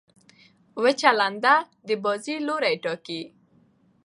وچه لنده د بازۍ لوری ټاکي.